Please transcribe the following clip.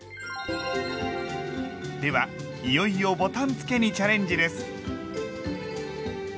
ではいよいよボタンつけにチャレンジです。